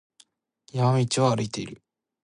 山道を歩いている。